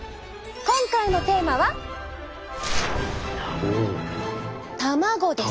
今回のテーマは「たまご」です！